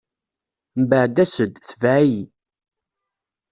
Mbeɛd as-d, tebɛ-iyi.